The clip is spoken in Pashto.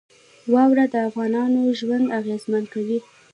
واوره د افغانانو ژوند اغېزمن کوي.